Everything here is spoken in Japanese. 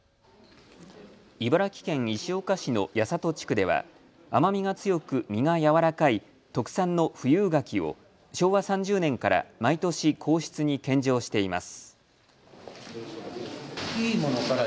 茨城県石岡市の八郷地区では甘味が強く実がやわらかい特産の富有柿を昭和３０年から毎年、皇室に献上しています。